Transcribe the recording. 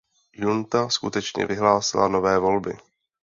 Junta skutečně vyhlásila nové volby.